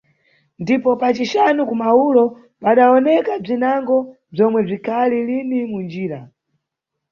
Ndipo, pa cixanu ku maulo, padawoneka bzinango bzomwe bzikhali lini munjira.